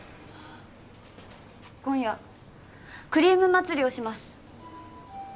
今夜クリーム祭りをします